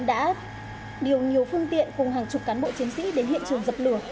đã điều nhiều phương tiện cùng hàng chục cán bộ chiến sĩ đến hiện trường dập lửa